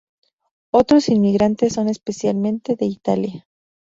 Otros inmigrantes son especialmente de Italia.